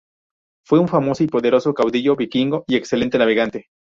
Fue un famoso y poderoso caudillo vikingo y excelente navegante.